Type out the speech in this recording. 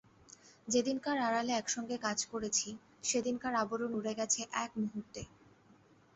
যেদিনকার আড়ালে একসঙ্গে কাজ করেছি সেদিনকার আবরণ উড়ে গেছে এক মুহূর্তে।